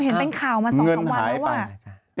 เห็นเป็นข่าวมา๒๓วันแล้วอ่ะ